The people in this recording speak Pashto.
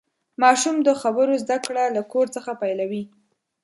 ماشوم د خبرو زدهکړه له کور څخه پیلوي.